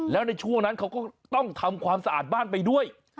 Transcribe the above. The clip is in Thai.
แล้วในช่วงนั้นเขาก็ต้องทำความสะอาดบ้านไปด้วย